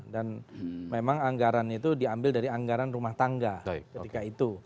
dan memang anggaran itu diambil dari anggaran rumah tangga ketika itu